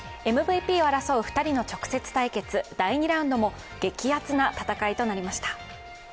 ＭＶＰを争う２人の直接対決第２ラウンドも、激熱な戦いとなりました。